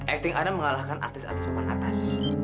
acting anne mengalahkan artis artis papan atas